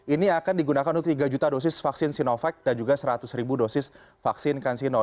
ini akan digunakan untuk tiga juta dosis vaksin sinovac dan juga seratus ribu dosis vaksin kansino